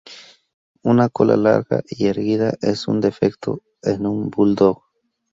Una cola larga y erguida es un defecto en un bulldog.